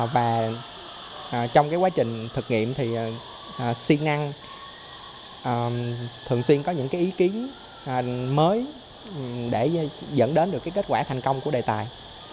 và trong quá trình thực nghiệm thì xuyên ngăn thường xuyên có những ý kiến mới để dẫn đến kết quả thành công của đề tài